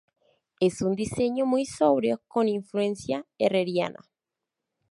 Es un diseño muy sobrio con influencia herreriana.